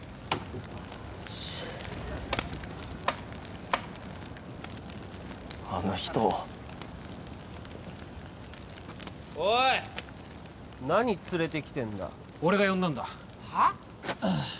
よしあの人おい何連れてきてんだ俺が呼んだんだはあ？